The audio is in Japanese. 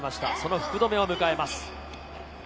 福留を迎えます。